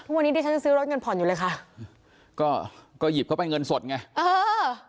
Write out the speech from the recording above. วันนี้ดิฉันยังซื้อรถเงินผ่อนอยู่เลยค่ะก็ก็หยิบเข้าไปเงินสดไงเออ